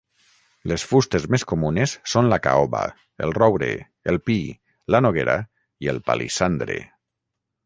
Les fustes més comunes són la caoba, el roure, el pi, la noguera i el palissandre.